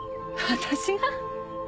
私が？